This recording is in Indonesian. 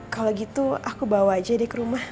kalau gitu aku bawa aja deh ke rumah